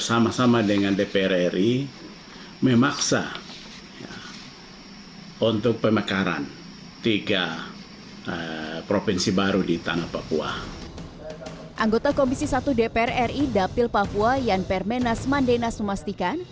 anggota komisi satu dpr ri dapil papua yan permenas mandenas memastikan